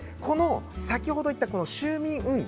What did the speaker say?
先ほどいった就眠運動